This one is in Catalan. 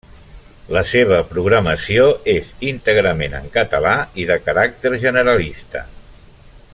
La seva programació és íntegrament en català i de caràcter generalista.